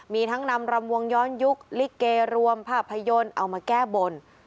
มีทั้งนำรำวงย้อนยุคลิเกรวมภาพยนตร์เอามาแก้บน